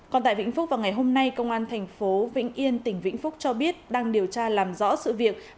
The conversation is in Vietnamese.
còn tại vĩnh phúc vào ngày hôm nay công an thành phố vĩnh yên tỉnh vĩnh phúc cho biết đang điều tra làm rõ sự việc